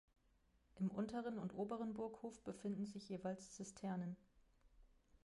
Im unteren und oberen Burghof befinden sich jeweils Zisternen.